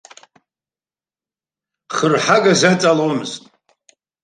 Харҳага заҵаломызт.